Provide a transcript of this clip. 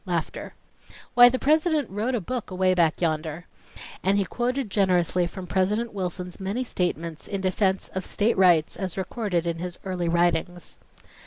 Why, the President wrote a book away back yonder" ... and he quoted generously from President Wilson's many statements in defense of state rights as recorded in his early writings.